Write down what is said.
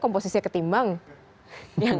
komposisinya ketimbang yang